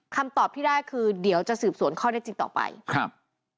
คำตอบที่ได้คือเดี๋ยวจะสืบสวนข้อได้จริงต่อไปครับ